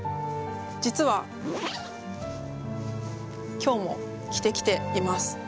実は今日も着てきています。